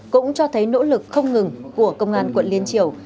cũng cho thấy nỗ lực không ngừng của công an quận liên triều